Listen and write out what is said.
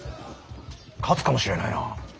勝つかもしれないな。